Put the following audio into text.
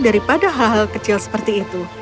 daripada hal hal kecil seperti itu